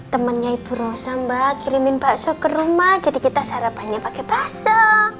temennya ibu rosa mbak kirimin bakso ke rumah jadi kita sarapannya pakai bakso